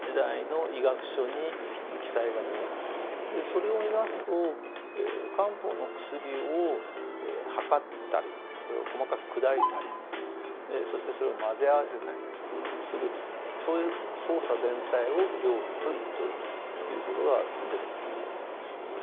それを見ますと漢方の薬をはかったりそれを細かく砕いたりそしてそれを混ぜ合わせたりするとそういう操作全体を「料理」と言っておるということが出てくるんですね。